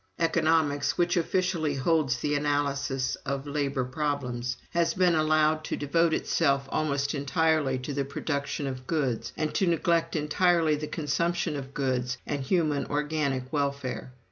"Economics (which officially holds the analysis of labor problems) has been allowed to devote itself almost entirely to the production of goods, and to neglect entirely the consumption of goods and human organic welfare.